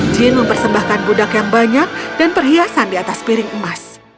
jin mempersembahkan budak yang banyak dan perhiasan di atas piring emas